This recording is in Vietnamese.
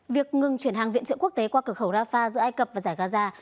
việc ngừng chuyển hàng viện trợ quốc tế qua cửa khẩu rafah giữa ai cập và giải gaza